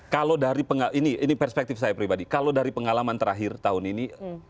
kalau dari ini perspektif saya pribadi kalau dari pengalaman terakhir tahun ini